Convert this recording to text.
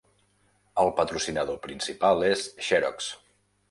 El patrocinador principal és Xerox.